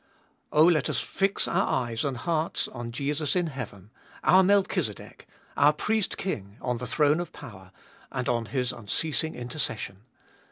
Oh, let us fix our eyes and hearts on Jesus in heaven, our 254 abe Doliest of ail Melchizedek, our Priest King on the throne of power, and on His unceasing intercession.